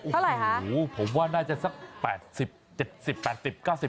เท่าไหร่ฮะโอ้โหผมว่าน่าจะสัก๘๐๗๐๘๐๙๐